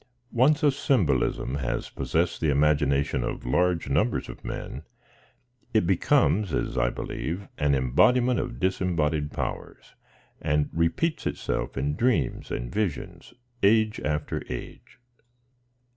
Once a symbolism has possessed the imagination of large numbers of men, it becomes, as I believe, lOI an embodiment of disembodied powers, and repeats itself in dreams and visions, age after age.